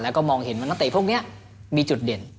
แล้วก็มองเห็นว่านักเตะพวกนี้มีจุดเด่น